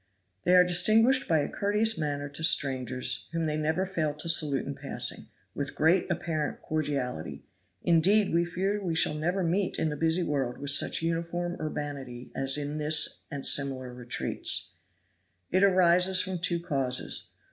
They are distinguished by a courteous manner to strangers, whom they never fail to salute in passing, with great apparent cordiality; indeed, we fear we shall never meet in the busy world with such uniform urbanity as in this and similar retreats. It arises from two causes.